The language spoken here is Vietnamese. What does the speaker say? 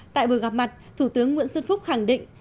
tại buổi gặp mặt thủ tướng nguyễn xuân phúc khẳng định